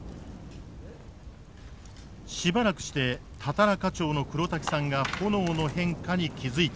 しばらくしてたたら課長の黒滝さんが炎の変化に気付いた。